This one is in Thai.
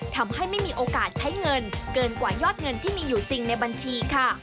ทำให้ไม่มีโอกาสใช้เงินเกินกว่ายอดเงินที่มีอยู่จริงในบัญชีค่ะ